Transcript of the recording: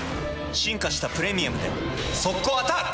進化した「プレミアム」で速攻アタック！